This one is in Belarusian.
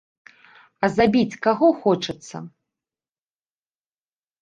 А забіць каго хочацца?